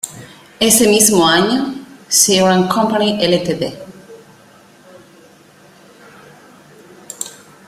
Ese mismo año, Seagram Company Ltd.